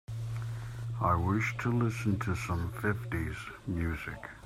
I wish to listen to some fifties music.